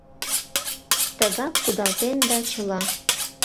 — Тыгак кудалтен да чыла.